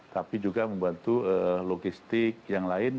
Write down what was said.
tapi juga membantu logistik yang lain